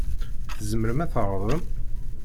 Tzemrem ad tɛerḍem?